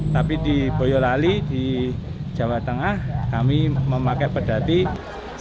tapi di boyolali di jawa tengah kami memakai kereta luncur rusa